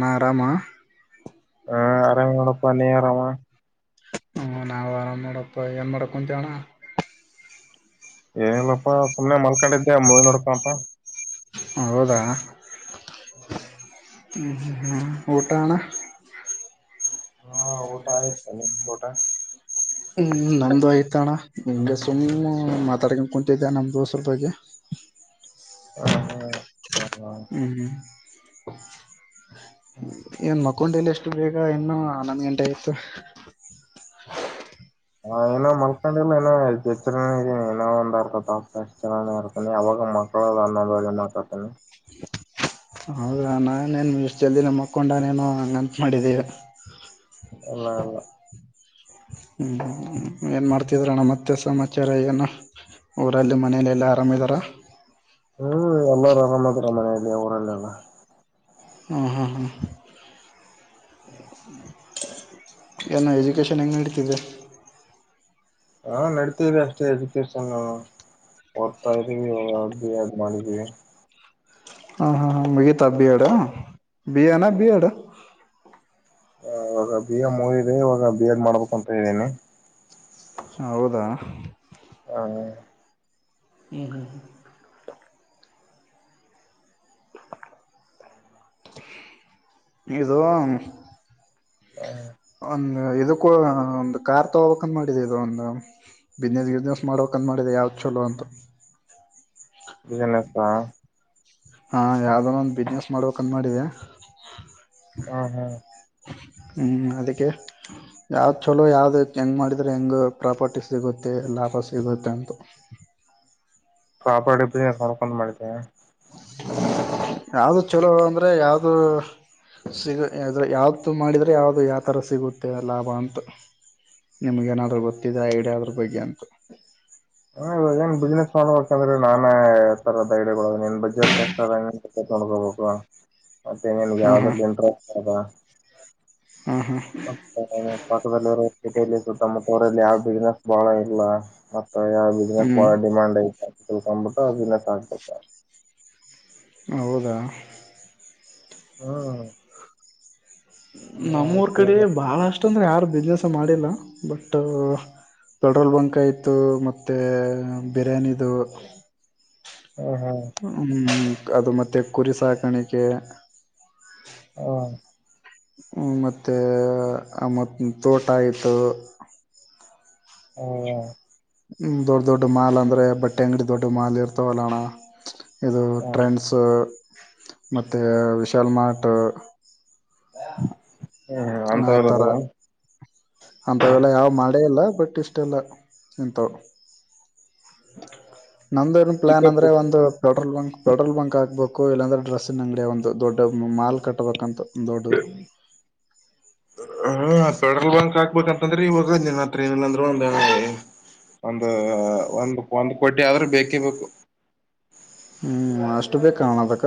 ನರಾಮ ಹ್ಮ ಅರಾಮ ನೋಡಪ್ಪ ನೀರಾಮ ಹ್ಮ ನಾವ್ ಆರಾಮ್ ಮಾಡಪ್ಪ ಏನ್ ಮಾಡಕ್ ಕುಂತಣ ಏನಿಲ್ಲಪ್ಪಾ ಸುಮ್ನೆ ಮುಖ ಮಲ್ಕೊಂಡಿದ್ದೆ ಮೂವಿ ನೋಡ್ಕೊಂತ ಹೌದಾ ಹ ಹ ಹಾ ಊಟಣ ಹಾ ಊಟ ಆಯ್ತು ನಿಮ್ದು ಊಟ ಹ್ಮ್ ನ್ದು ಆಯ್ತಣ್ಣ ಹಗೆ ಸುಮ್ಮನೆ ಮಾತಾಡ್ಕೊಂಡ್ ಕುಂತಿದ್ದ ನಮ ದೋಸ್ರ ಬಗ್ಗೆ ಹಾ ಹಾ ಹಾ ಹ್ಮ್ ಹ್ಮ್ ಏನ್ ಮತ್ತ ಕುಕೊಂಡಲಿ ಎಷ್ಟು ಬೇಗ ಇನ್ನುೂ ಆ ನಂದ ಗಂಟೆ ಆತ್ತು ಹ ಏನೋ ಮಲ್ಕೊಂಡಲ್ಲ ಏನೋನೋ ಒಂದ್ ಇರ್ತ ಎಷ್ಟ ಚ ಇರ್ತಿ ಅವಾಗ ಮಕ್ಕಳ ಅನ್ನ ಬರೆ ಮಾತಾತನೆ ಹೌದ ನಾನೇನು ಇಷ್ಟು ಜಲ್ದಿನ ಮಕ್ಕೊಂಡನೇನು ಹಂಗಂತು ಮಾಡಿದ್ದೀವಿ ಇಲ್ಲ ಇಲ್ಲ ಹ್ಮ ಏನ್ ಮಾಡ್ತಿದ್ರಣ ಮತ್ತೆ ಸಮಾಚಾರ ಏನ ಅವಊರಲ್ಲಿ ಮನಲೆೆಲ್ಲ ಆರಾಮ್ದಾರ ಹ್ಮ್ ಎಲ್ಲಾರೂ ಆರಾಮದರ ಮನೆಯಲ್ಲಿ ಅವರಲ್ಲೆಲ್ಲ ಹಾ ಹಾ ಹಾ ಏನುೋ ಎಜುಕೇೇಶನ್ ಹೆಂಗೆ ನಡ್ತಿದ್ದೆ ಹಾ ನಡತಿದೆ ಅಷ್ಟೇ ಎಜುಕೇಷನ್ ಓಡ್ತಾ ಇದೀವಿ ಅ ಅ ಮಾಡಿದೀವಿ ಹಾ ಹಾ ಹಾ ಮಗಿತಾ ಬಿಎಡ್ ಬಿ ಎನ ಬಿಎಡ್ ಹ ಇವಾಗ ಬಿ ಎಂಮೂದೆ ಇವಾಗ ಬಿ ಎಡ್ ಮಾಡ್ಬೇಕು ಅಂತ ಇದ್ದೀನಿ ಹೌದಾ ಹ್ಮ ಹ್ಮ ಹ್ಮ ಹ್ಮ ಇದು ಹ ಒಂದು ಇಕ್ಕೂ ಒಂದು ಕಾರ್ ತಗೋಕ ಮಾಡಿದ ಇದು ಒಂದು ಬಿಸ್ನೆಸ್ ಗಿಸ್ನೆಸ್ ಮಾಡೋಕ್ ಅಂದ ಮಾಡಿದೆ ಯಾವ್ದ ಚಛಲೋ ಅಂತೂ ಬಿಸಿನಸ್ ಹಾ ಯಾವ್ದ ಒಂದು ಬಿಸ್ನೆಸ್ ಮಾಡ್ಬೇಕ ಅಂದ ಮಾಡಿದೆ ಹಾ ಹಾ ಹ್ಮ್ ಅದಕ್ಕೆ ಯಾವ್ದ್ ಚಲೋ ಯಾವ್ದ ಹೆಂಗ್ ಮಾಡಿದ್ರೆ ಹೆಂಗ ಪ್ರಾಪರ್ಟಿ ಸಿಗುತ್ತೆ ಲಾಭ ಸಿಗುತ್ತೆ ಅಂತ [unintelligible] ಪ್ರಾಪರ್ಟಿ ಬ ನಡ್ಕೊಂಡು ಮಾಡಿದ್ದೀ ಯಾವ್ದು ಚಲೋ ಅಂದ್ರೆ ಯಾವ್ದು ಸಿಗ ಆದರೆ ಯಾವತ್ತು ಮಾಡಿದರೆ ಯಾವುದು ಯಾವ ಥರ ಸಿಗುತ್ತೆ ಲಾಭ ಅಂತ ನಿಮ್ಗ ಏನಾದ್ರೂ ಗೊತ್ತಿದೆ ಐಡಿಯ ಅದ್ರ ಬಗ್ಗೆ ಅಂತ ಹ ಇವಾಗ ಏನ್ ಬಿಸ್ನೆಸ್ ಮಾಡೋ ಅಂದ್ರೆ ನಾನ ತರದನ್ ಬಜೆಟ್ [unintelligible] ತೊಂಡ್ಕೋಬೇಕು ಮತ್ತೆನ್ಗೆ ಹಾ ಹಾ ಯಾವ್ದಲ್ಲಿ ಇಂಟ್ರೆಸ್ಟ್ ಅದ ಹಾ ಹಾ [unintelligible] ಅ್ರಲ್ಲಿ ಯಾವ ಬಿಸ್ನೆಸ್ ಬಹಳ ಇಲ್ಲ ಮತ್ತ ಯಾವ ಬಿಸ್ನೆಸ್ ಹ್ಮ್ ಬಹಳ ಡಿಮ್ಯಾಂಡ್ ಐತ್ ತಿಳಕೋಬಿಟ್ಟು ಅದುಲ್ಲ ಹೌದಾ ಹ್ಮ್ ಹ್ಮ್ ನಮ್ಮೂರ್ ಕಡೆ ಹ್ಮ್ ಬಾಳ ಅಷ್ಟ ಅಂದ್ರೆ ಯಾರು ಬಿಸ್ನೆಸ್ ಮಾಡಿಲ್ಲ ಬಟ್ ಪೆಟ್ರೋಲ್ ಬಂಕಾಯ ಇತ್ತು ಮತ್ತೆ ಬಿರ್ಯಾನಿದು ಅದು ಮತ್ತೆ ಕುರಿ ಸಾಕಾಣಿಕೆ ಹ್ಮ ಹ್ಮ ಮತ್ತೆ ಮತ್ ತೋಟ ಆಯ್ತು ಹ್ಮ ದೊಡ್ಡ ದೊಡ್ಡ ಮಾಲ್ ಅಂದ್ರೆ ಬಟ್ಟೆ ಅಂಗಡಿ ದೊಡ್ಡ ಮಾಲ್ ಇರ್ತವಲ್ಲ ಅಣ್ಣಾ ಇದು ಹ್ಮ್ ಟ್ರೆಂಡ್ಸ್ ಮತ್ತು ವಿಶಾಲ್ ಮಾರ್ಟ್ ಹ್ಮ್ ಆ ಥರ ಅಂತವರದು ಬಟ್ ಇಷ್ಟ ಅಲ್ಲ ಇಂಥಾವ [inaudible] ನಮ್ದ ಏನ್ ಚಿಕ್ಕ ಪ್ಲಾನ್ ಅಂದ್ರೆ ಪುಟ್ಟ ಒಂದು ಪೆಟ್ರೋಲ್ ಬಂಕ್ ಪೆಟ್ರೋಲ್ ಬಂಕ್ ಹಾಕ್ಬೇಕು ಇಲ್ಲಂದ್ರೆ ಡ್ರೆಸ್ಸಿನ ಅಂಗಡಿ ಒಂದು ದೊಡ್ಡ ಮಾಲ್ ಕಟ್ಟಬೇಕಂತ ದೊಡ್ಡದು ಪೆಡ್ರೋಲ್ ಬಂಕ್ ಹಾಕ್ಬೇಕಂತಂದ್ರೆ ಈವ ಹೋಗಾದ್ನ್ ಹತ್ರ ಏನಿಲ್ಲಂದ್ರರು ಒಂದ ಒಂದು ಒಂದು ಒಂದ್ ಕೋಟಿ ಆದ್ರೂ ಬೇಕೇ ಬೇಕು ಹ್ಞೂ ಅಷ್ಟು ಬೇಕಣ್ಣಾ ಅದಕ್ಕ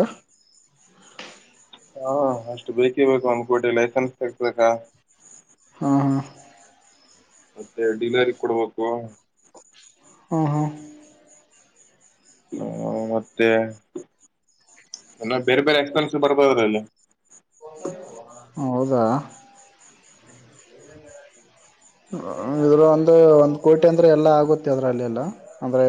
ಹಾ ಅಷ್ಟು ಬೇಕಿ ಬೇಕು ಒಂದ್ ಕೋಟಿ ಲೈಸೆನ್ಸ್ ತಕ್ಬೇಕಾ ಹಾ ಹಾ ಮತ್ತೆ ಡಿಲರಿ ಕೊಡ್ಬೇಕು ಹ ಹಾ ಹ್ಮ ಮತ್ತೆ ನ ಬೇರೆ ಬೇರೆ ಎಕ್ಸ್ಪೆನ್ಸ್ ಬರ್ಬೋದರೀ ಅಲ್ಲಿ [unintelligible] ಹೌದಾ [unintelligible] ಇದರ ಒಂದು ಒಂದು ಕೋಟಿ ಅಂದರೆ ಎಲ್ಲ ಆಗುತ್ತೆ ಅದರಲ್ಲೆಲ್ಲಾ ಅಂದರೆ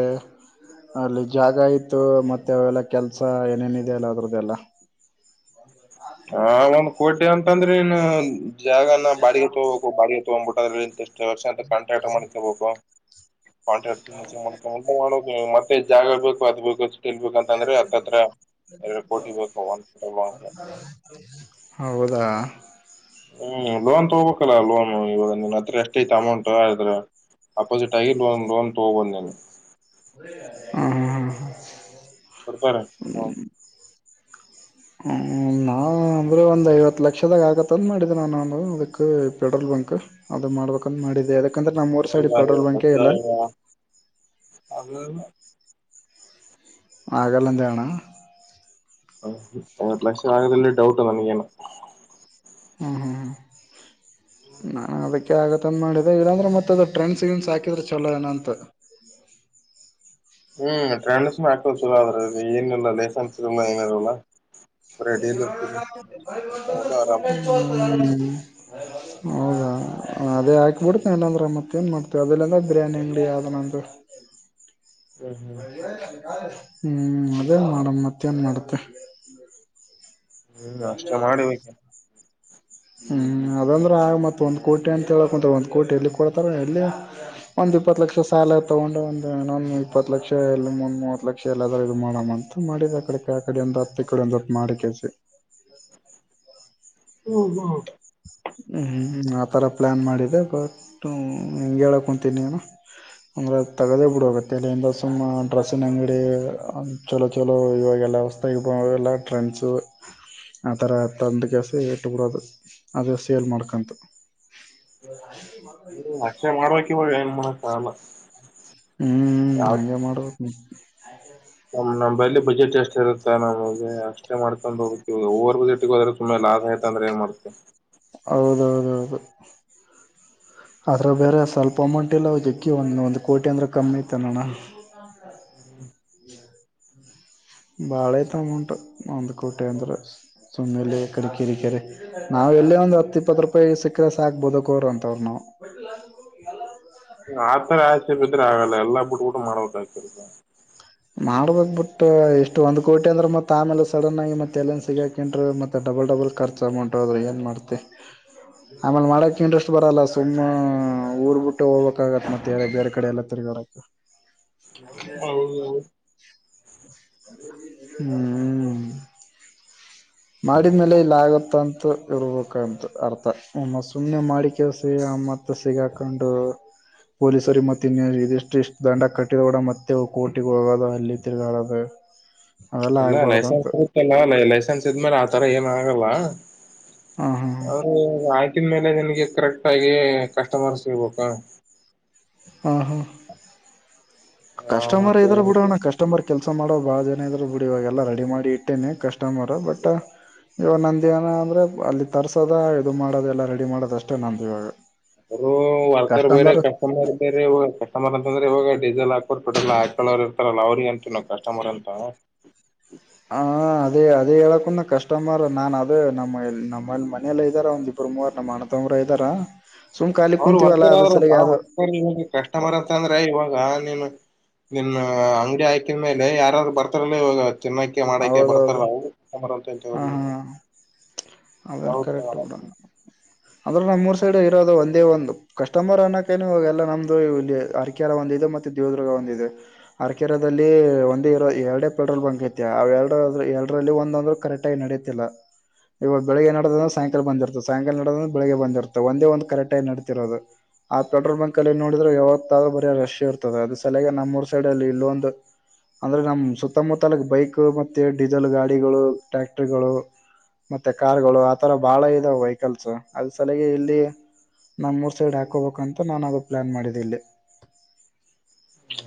ಅಲ್ಲಿ ಜಾಗ ಇತ್ತು ಮತ್ತೆ ಅವೆಲ್ಲ ಕೆಲ್ಸ ಏನೇನಿದೆ ಅಲ್ಲ ಅದ್ರದ್ದೆಲ್ಲಾ [unintelligible] ಹಾ ಒಂದ್ ಕೋಟಿ ಅಂತಂದ್ರೆ ಇನ್ ಜಾಗನ ಬಾಡಿಗೆ ತಗೋಬೇಕು ಬಾಡಿಗೆ ತಗೊಬಿಟ್ಟದ್ರೆ ಎಷ್ಟು ವರ್ಷ ಅಂತ ಕಾಂಟ್ರಾಕ್ಟ್ ಮಾಡ್ಕೊಬೇಕು ಕಾಂಟ್ರಾಕ್ಟ್ ಜಾಗ ಆರ್ಬೇಕು ಅದುಬೇಕು ತಿಳ್ಬೇಕಂತಂದ್ರೆ ಹತ್ತತ್ರ ಎರಡು ಕೋಟಿ ಬೇಕು ಒಂದ ಪೆಟ್ರೋಲ್ ಹೌದಾ ಹ್ಮ್ ಲೋನ್ ತಗೋಬೇಕಲ್ಲ ಲೋನ್ ಇವಾಗ ನಿನ್ ಹತ್ರ ಎಷ್ಟ ಐತಿ ಅಮೌಂಟ್ ಆದ್ರ ಅಪೋಸಿಟ್ ಗಿ ಲೋನ್ ಲೋನ್ ತಗೋಬಹುದು ನೀನು ಹ್ಮ ಹಾ ಹಾ [unintelligible] ಹ ನಾ ಅಂದ್ರೆ ಒಂದ್ ಐವತ್ ಲಕ್ಷದಾಗ ಆಗತ್ತ ಅಂದ ಮಾಡಿದ ನಾನು ಅದಕ್ ಪೆಟ್ರೋಲ್ ಬಂಕ್ ಅದು ಮಾಡ್ಬೇಕಂತ ಮಾಡಿದೆ ಯದಕಂದ್ರೆ ನಮ್ಮ್ ಊರ್ ಸೈಡ್ ಎಲ್ಲ ಪೆಟ್ರೋಲ್ ಐವತ್ತು ಬಂಕೇ ಲಕ್ಷ ಇಲ್ಲಾ ಆಗಲ್ಲ. [unintelligible] ಆಗಲ್ಲಂದ್ಯನ ಹ ಐವತ್ತು ಲಕ್ಷ ಆಗದ ಡೌಟ್ ನನಗೆಣ ಹ್ಮ್ ಹಾ ನಾನ್ ಅದಕ್ಕೆ ಆಗತ್ತಂದ ಮಾಡಿದ್ದೆ ಇಲ್ಲಾಂದ್ರೆ ಮತ್ತೆದ ಟ್ರೆಂಡ್ಸ್ನ್ಸ್ ಹಾಕಿದ್ರೆ ಚಲೋ ಏನಂತ [inaudible] ಹ್ಮ್ ಟ್ರಾನ್ಸಿಷನ್ ಹಾಕದ್ ಚೊಲೋ ಆದ್ರೆ ಏನಲ್ಲ ಲೈಸೆನ್ಸ್ ಇರಲ್ಲ ಏನಿರಲ್ಲ ಬರೇ [inaudible] ಡೀಲರ್ಶಿಪ್ ಮಾಡ್ಕೊಂಡು ಆರಾಮ ಹೌದಾ ಹ ಅದೇ ಹಾಕಿಬಿಡ್ತು ನಂದ್ರೆ ಮತ್ತ ಏನ್ ಮಾಡ್ತೇವಿ ಅದಲ್ಲಂದ ಬಿರಿಯಾನಿ ಅಂಗಡಿ ಯಾವ್ದನ ಹ್ಮ್ ಹ್ಮ್ ಕಾಲ [unintelligible] ಹ್ಮ್ ಅದೇ ಮಾಡ ಮತ್ತೇನ್ ಮಾಡತ್ತೆ. ಹ್ಮ್ ಅಷ್ಟ ಮಾಡಿಬೇಕ ಹ್ಮ್ ಅದಂದ್ರೆ ಆಗ ಮತ್ತತ್ ಒಂದ್ ಕೋಟಿ ಅಂತ ಹೇಳ ಕುಂತ ಒಂದ್ ಕೋಟಿ ಎಲ್ಲಿ ಕೊಡ್ತಾರ ಎಲ್ಲಿ ಒಂದ್ ಇಪ್ಪತ್ತು ಲಕ್ಷ ಸಾಲ ತಗೊಂಡು ಒಂದ್ ಇಪ್ಪತ್ ಲಕ್ಷ ಎಲ ಮುಂದ್ ಮೂವತ್ ಲಕ್ಷ ಎಲ್ಲಾದ್ರೂ ಇದು ಮಾಡ ಅಂತ ಮಾಡಿದ ಆ ಕಡೆ ಆ ಕಡೆ ಒಂದ ಹತ್ತು ಈ ಕಡೆ ಒಂದ ಮಾಡಿ ಕೆಸ ಓ ಹ್ಮ ಹ್ಮ್ ಹ್ಮ್ ಆತರ ಪ್ಲಾನ್ ಮಾಡಿದೆ ಬಟ್ ಹೆಂಗ ಹೇಳಕ್ ಕುಂತೀನಿನು ಅಂದ್ರೆ ತಗದೇ ಬಿಡು ಇವತ್ತು ಇಲ್ಲಿಂದ ಸುಮ್ಮ ಡ್ರೆಸ್ಸಿನ ಅಂಗಡಿ ಚೊಲೋ ಚೊಲೋ ಇವಾಗ ಅಲ್ಲ ಹೊಸ್ತಗಿ ಎಲ್ಲ ಟ್ರೆಂಡ್ಸ್ ಆ ತರ ತಂದಕಸ ಇಟ್ಟು ಬಿಡದ ಅದೇ ಸೇಲ್ ಮಾಡ್ಕಂತು ಹ್ಮ ಅಕ್ಷೆ ಮಾಡ್ಬೇಕ ಇವಾಗ್ ಏನ್ ಮಾಡಕ್ಕಾಗಲ್ಲ ಹ್ಮ್ ಹ್ಮ್ ಹಂಗೆ ಮಾಡಬೇಕು ನೀ ನಮ್ ನಂಬಲಿ ಬಜೆಟ್ ಎಷ್ಟ್ ಇರುತ್ತಾ ನಮ್ ಅಷ್ಟೇ ಮಾಡ್ಕೊಂಡ ಹೋಗ್ವ ಬಿಟ್ಟಿಗೆ ಹೋದ್ರೆು ಲಸ್ ಆಯತ ಅಂದ್ರ ಏನ್ ಮಾಡ್ತತೆ ಹೌದೌಹೌದೌಹೌದು ಆದ್ರಗ ಬೇರೆ ಸ್ವಲ್ಪ ಅಮೌಂಟ್ ಇಲ್ಲವಾ ಮಿಕ್ಕಿ ಒಂದು ಒಂದು ಕೋಟಿ ಅಂದರೆೆ ಕಮ್ಮಿ ಆಯ್ತೆನ ಅಣ್ಣ ಹ ಬಾಳಐತ ಅಮೌಂಟು ಒಂದು ಕೋಟಿ ಅಂದ್ರ ಸುಮ್ಮ್ನೆಲ್ಲಿ ಕಡಕಿರಿ ಕೇರಿ ನಾವು ಎಲ್ಲೇ ಒಂದು ಹತ್ತ ಇಪ್ಪತ್ತು ರೂಪಾಯಿ ಸಿಕ್ಕ್ರ ಸಾಕ ಬದುಕೋರು ಅಂತವ್ರರು ನಾವು ಬಟ್ಟ ಎಲ್ಲನು ಇದ್ರೆ ಆಗಲ್ಲ ಎಲ್ಲ ಬಿಟ್ಟ ಬಿಟ್ಟ ಮಾಡ್ಬಕ ಅಕ್ಕತಿ ಮಾಡಬೇಕು ಬಿಟ್ಟ ಇಷ್ಟು ಒಂದ್ ಕೋಟಿ ಅಂದ್ರ ಮತ್ತ ಆಮೇಲೆ ಸಡನ್ ಆಗಿ ಮತ್ತೆ ಎಲ್ಲನ್ ಸಿಗಾಕನ್ರು ಮತ್ತೆ ಡಬಲ್ ಡಬಲ್ ಖರ್ಚು ಅಮೌಂಟ್ ಆದರ ಏನು ಮಾಡ್ತೆ ಆಮೇಲ್ ಮಾಡಕ್ ಇಂಟ್ರೆಸ್ಟ್ ಬರಲ್ಲ ಸುಮ್ಮ್ ಊರ್ ಬಿಟ್ಟು ಹೋಗ್ಬೇಕಕ್ ಆಗತ್ತ ಮತ್ತೆ ಬೇರೆ ಕಡೆ ಎಲ್ಲ ತಿರುಗಾಡಕ ನ [unintelligible] ಹ್ಮ ಮಾಡಿದ್ಮೇಲೆ ಇಲ್ಲ ಆಗತ್ತ ಅಂತ ಇರ್ಬೇಕಂತ ಅರ್ಥ ಒಮ್ಮ ಸುಮ್ನೆ ಮಾಡಿಕಸ ಏನ್ ಮತ್ತ್ ಸಿಗಾಕೊಂಡು ಪೊಲೀಸರಿಗೆ ಮತ್ತೆ ಇನ್ನ ಇದಿಷ್ಟು ಇಷ್ಟ ದಂಡ ಕಟ್ಟಿದ ಕೂಡ ಮತ್ತೆ ಕೋರ್ಟಿಗೆ ಹೋಗೋದ ಅಲ್ಲಿ ತಿರ್ಗಾಡದ ಹ ಇಲ್ಲ ಲೈಸೆನ್ಸ್ ಪ್ರೂಫಲ್ಲ ಲೈಸೆನ್ಸ್ ಇದ್ಮೇಲೆ ಆತರ ಏನ ಆಗಲ್ಲ. ಹ ಹ ಅವ ಆಯ್ತು ಸ್ಕಿನ್ ಮೇಲೆ ನಿನ್ಗೆ ಕರೆಕ್ಟ್ ಆಗಿ ಕಸ್ಟಮರ್ ಸಿಗ್ಬೇಕಾ ಹಾ ಹಾ ಹ ಕಸ್ಟಮರ್ ಮತ್ತೆ ಇದ್ರ ಬಿಡೋಣ್ಣ ಕಸ್ಟಮರ್ ಕೆಲ್ಸ ಕೆಲಸ ಮಾಡೋ ಭಾಳ ಜನ ಇದ್ರು ಬಿಡಿ ಇವಾಗೆಲ್ಲ ರೆಡಿ ಮಾಡಿ ಇಟ್ಟೇನೆ ಕಸ್ಟಮರು ಬಟ್ ಇವಾಗ ನಂದ ಏನ್ ಅಂದ್ರೆ ಅಲ್ಲಿ ತರ್ಸೋದ ಇದು ಮಾಡೋದ ಎಲ್ಲ ರೆಡಿ ಮಾಡೋದಷ್ಟೇ ನಂದ ಇವಾಗ ಹು--ವರ್ಕರ್ ಬೇರೆ ಕಸ್ಟಮರ್ ಬೇರೆ ಕಸ್ಟಮರ್ ಅಂತ ಹೋದ್ರೆ ಹೋಗ ಡೀಸೆಲ್ ಹಾಕುವನರು ಪೆಟ್ರೋಲ್ ಹಾಕೋನೋರು ಇರ್ತಾರಲ್ಲ ಅವ್ರಿಗೆ ಅಂತೀವಿ ನಾವು ಕಸ್ಟಮರ್ ಅಂತ ಹ ಅದೇ ಅದೇ ಹೇಳಕಂದ ಕಷ್ಟಮರ ನಾನ್ ಅದೇ ನಮ್ಮ ನಮ್ಮಲ್ಲಿ ಮನೆಲಿ ಇದ್ದಾರ ಒಂದ ಇ ಅವರ್ ಮೂವರು ನಮ್ಮ ಅಣ್ಣ ತಮ್ಮ ರ ಇದ್ದಾರಾ ಅವರು ವರ್ಕರ್ ಆದ್ರಲ್ ವರ್ಕರ್ ಇವಾಗ ಕಸ್ಟಮರ್ ಅಂತ ಅಂದ್ರೆ ಇವಾಗ ನೀ ನಿನ್ ಅಂಗಡಿ ಆಯಕಿದ ಮೇಲೆ ಯಾರಾದರು ಬರ್ತಾರಲ್ಲ ಇವಾಗ ಚಿನ್ನಕ್ಕೆೆ ಮಾಡಕೆ ಬರ್ತಾರ ಹೌದೌದು ಹಾ ಹಾ ಅದೇ ಹೌದಾ ಕರೆಟ್ ಕೂಡ ಅಂದ್ರೆ ನಮ್ರ್ ಸೈಡ್ ಇರೋದು ಒಂದೇ ಒಂದು ಕಸ್ಟಮರ್ ಅನ್ನೋಕಾಗ ಎಲ್ಲ ನಮ್ದು ಇ ಅಕಲ್ಲ ಒಂದು ಇ ದೇದುರ್ಗ ಹೊಂದಿದೆ ಅರಕೆರಲ್ಲಿ ಒಂದೇ ಇರ ಎರಡೇ ಪೆಟ್ರೋಲ್ ಪಂಕ್ ಐತೆ ಅವ ಎರಡುಡು ಎಲ್ಲರಲ್ಲಿ ಒಂದೊಂದರೂ ಕರೆಕ್ಟಾಗಿ ನಡೆಯತಿಲ್ಲ ಇವಾಗ ಬೆಳಗ್ ನಡದ್ರೆಾಯಂಕಾಲ ಬಂದರ್ತ ಸಾಯಂಕಾಲ ನಡೋದ್ರ ಬೆಳಿಗ್ ಬಂದಿರ್ತ ಒಂದ ಒಂದು ಕರೆಕ್ಟಗಿ ನಡೆತಿರೋದು ಆ ಪೆಟ್ರೋಲ್ ಬಂಕ್ ಅಲ್ಲಿ ನೋಡಿದ್ರೆ ಯಾವತ್ತಾದೂ ಬರಿ ರಶ್ ಇರ್ತದೆ ಅದ ಸಲಯ ನಮ್ಮರ್ ಸೈಡ್ ಅಲ್ಲಿ ಇಲ್ಲೊಂದು ಅಂದರೆ ನಮ್ಮ ಸುತ್ತಮುತ್ತಲ ಬೈಕು ಮತ್ತು ಡೀಸೆಲ್ ಗಾಡಿಗಳು ಟ್ಯಾಕ್ಟರ್ಗಳು ಮತ್ತೆ ಕಾರ್ಗಳು ಆತರ ಬಾಳ ಇದಾವ ವೆಹಿಕಲ್ಸ್ ಅದ ಸಲಿಗೆ ಇಲ್ಲಿ ನಮ್ಮ ಮೂರು ಸೈಡ್ ಹಾಕೋಬೇಕಂತ ನಾನು ಅದು ಪ್ಲಾನ್ ಮಾಡಿದ್ದಲ್ಲಿ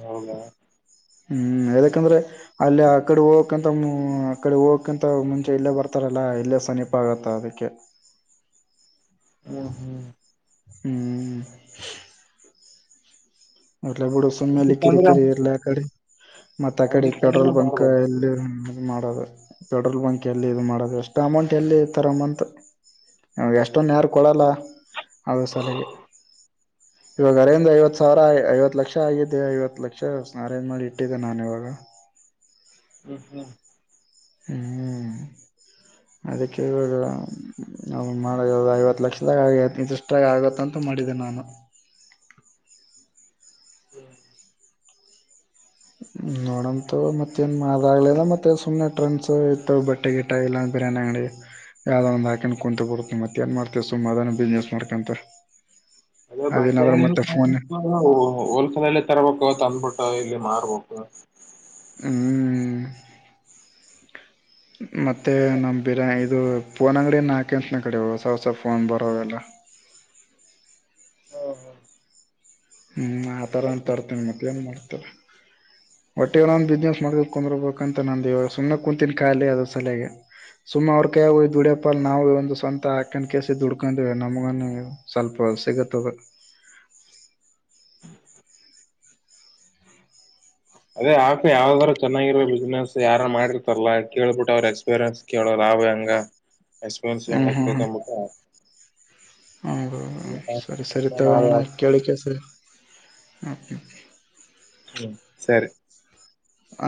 ಹೌದಾ ಹ್ಮ್ ಯದಕಂದ್ರೆ ಅಲ್ಲಿ ಆ ಕಡೆ ಹೋಗಕಂತ ಆಕಡೆ ಹೋಗಕಂತ ಮುಂಚೆ ಇಲ್ಲೇ ಬರ್ತಾರಲ್ಲ ಅಲ್ಲ ಇಲ್ಲೇ ಸಮೀಪ ಆಗತ್ತ ಅದಕ್ಕೆ ಹ್ಮ ಹ್ಮ್ ಹ್ಮ್ ಎ ಬಿುಡು ಸುಮ್ಮನೆಲ್ಲಿ ಕಿರಿ ಹಂಗಿತ್ತಂದ್ರ ಕಿರಿ ಇರ್ಲ್ಲ ಆ ಕಡೆ ಮತ್ತ ಆ ಕಡೆ ಪೆಟ್ರೋಲ್ ಹಂಗಿತ್ತಂದ್ರ ಬಂಕ್ ಮಾಡ್ಬೋದು ಎಲ್ಲಿ ಇ ಮಾಡೋದು ಪೆಟ್ರೋಲ್ ಬಂಕ್ ಎಲ್ಲಿ ಇದು ಮಾಡೋದು ಎಷ್ಟು ಅಮೌಂಟ್ ಎಲ್ಲಿ ತರಮ್ಮ ಅಂತ ಅವಾಗ ಎಷ್ಟೊಂದು ಯಾರು ಕೊಡಲ್ಲ ಅವ ಸಲೆಗೆ ಇವಾಗ ಅರಿಯಿಂದ ಐವತ್ ಸಾವಿರ ಐವತ್ತು ಲಕ್ಷ ಆಗಿದ್ದ ಐವತ್ತು ಲಕ್ಷ ಅರೇಂಜ್ ಮಾಡಿ ಇಟ್ಟಿದ್ದೆ ನಾನು ಇವಾಗ ಹ್ಮ್ ಹ್ಮ್ ಹ್ಮ್ ಅದಕ್ಕೆ ನ ಮಾಡ ಐವತ್ತು ಲಕ್ಷದಾಗಷ್ಟಾಗ ಆಗುತ್ತಂತೂ ಮಾಡಿದೇನೆ ನಾಮ [inaudible] ನೋಡಂತು ಮತ್ತೇಏನು ಮಾಾಗಗ್ಲಿಲ್ಲ ಮತ್ತು ಸುಮ್ಮನೆ ಟ್ರೆಂಡ್ಸು ಇತ್ತು ಬಟ್ಟೆ ಗೀಟ ಇಲ್ಲಾಂದ ಬಿರಿಯಾನಿ ಅಂಗ್ಡಿ ಯಾವ್ದಂದಂದು ಹಾಕೊಂಡ್ ಕುಂತ ಬರುತ್ತೆ ಮತ್ತೆ ಏನ್ ಮಾಡ್ತವಿ ಸುಮ್ಮ ಅದಾನ ಬಿಸ್ನೆಸ್ ಮಾಡ್ಕೊಂತ ಅದೇ ಬಡ್ ಅದೇನಾದ್ರ ಮತ್ತೆ ಫೋನ್ ಅಂಗ ಹೋಲ್ಸೆಲ್ಲ್ಲ ತರಬೇಕ ಅವತ್ ಅಂದ್ಬಿಟ್ಟು ಲ್ಲಿ ಮಾರ್ಬೇಕೋಕ ಹ್ಮ್ ಮತ್ತೆ ನಮ್ ಬಿರಾನಿ ಇದು ಪೊನ್ ಅಂಗಡ ಹಾಕೆಂತನ ಕಡೆ ಹೊಸ ಹೊಸ ಫೋನ್ ಬರೋದೆಲ್ಲ ಹ್ಮ ಹಾ ಹ್ಞೂ ಆ ಥರ ಅಂತ ತರ್ತೀನಿ ಮಕ್ಕಳ ಏನು ಮಾಡ್ತಾರೆ ಒಟ್ಟೆ ನನ್ ಬಿಸ್ನೆಸ್ ಮಾಡಕ್ಕೆ ಕುಂದಿರ್ಬೇಕಂತ ನಂದವಾಗ ಸುಮ್ಮನೆ ಕುೂಂತಿನಿ ಕಖಾಲಿ ಅದ್ರ ಸಲಯೆಗೆ ಸುಮ್ಮ ಅವ್ರ ಕಾಯ ಹ ದುಡ್ಯಪ್ಪ ಅ ನಾವು ಒಂದು ಸ್ವಂತ ಹಕನ್ ಕಸಿ ದುಡ್ಕೊಂಡಿವವಿ ನಮಗ ಸ್ವಲ್ಪ [unintelligible] ಅದೇ ಆಕೆ ಯಾವ್ದಾದಾರ ಚೆನ್ನಾಗಿರೋ ಬಿಸ್ನೆಸ್ ಯಾರ ಮಾಡಿರ್ತಾರಲ್ಲ ಕೇಳ್ಬಿಟ್ಟ ಅವ್ರರು ಎಕ್ಸ್ಪೀರಿಯನ್ಸ್ ಕೇಳೋ ಯಾವು ಹೆಂಗ ಎಕ್ಸ್ಪೀರಿಯನ್ಸ್ ಹೆಂಗ ಇ ಕಂಬಟ್ಟ ಹ ಸರಿ ಸರಿ ತಗಣ ನಾವೇ ಆಳ ಸರಿ ಓಕೆ ಓಕೆ ಹ್ಮ ಸರಿ ಹ